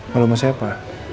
malu sama siapa